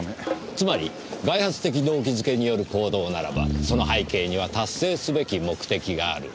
つまり外発的動機づけによる行動ならばその背景には達成すべき目的がある。